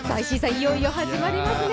いよいよ始まりますね。